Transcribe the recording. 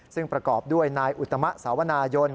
ซึ่งประกอบด้วยนายอุตมะสาวนายน